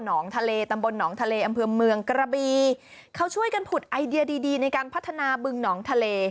ทะเลตำบลหนองทะเลอำเภอเมืองกระบีเขาช่วยกันผุดไอเดียดีดีในการพัฒนาบึงหนองทะเล